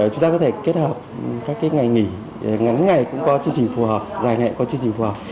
chúng ta có thể kết hợp các ngày nghỉ ngắn ngày cũng có chương trình phù hợp dài ngày có chương trình phù hợp